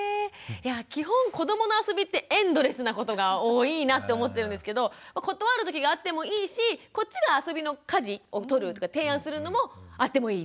基本子どもの遊びってエンドレスなことが多いなって思ってるんですけど断るときがあってもいいしこっちが遊びの舵をとるとか提案するのもあってもいいっていうことですね。